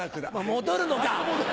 戻るのか。